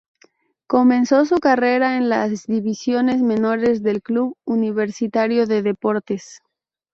Comenzó su carrera en las divisiones menores del club Universitario de Deportes.